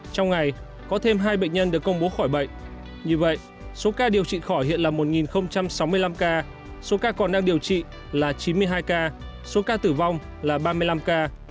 trong ngày có thêm hai bệnh nhân được công bố khỏi bệnh như vậy số ca điều trị khỏi hiện là một sáu mươi năm ca số ca còn đang điều trị là chín mươi hai ca số ca tử vong là ba mươi năm ca